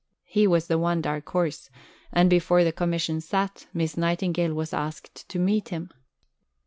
He was the one dark horse; and, before the Commission sat, Miss Nightingale was asked to meet him.